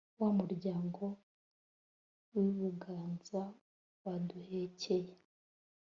wa muryango w'ibuganza waduhekeye